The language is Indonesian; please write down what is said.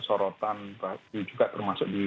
sorotan juga termasuk di